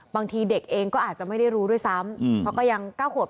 บางทีเด็กเองก็อาจจะไม่ได้รู้ด้วยซ้ำเพราะก็ยัง๙ขวบ